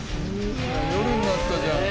夜になったじゃん。